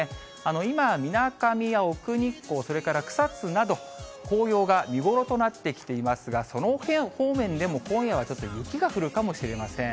今、みなかみや奥日光、それから草津など、紅葉が見頃となってきていますが、その方面でも今夜はちょっと雪が降るかもしれません。